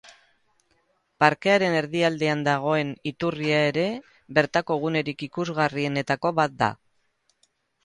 Parkearen erdialdean dagoen iturria ere bertako gunerik ikusgarrienetako bat da.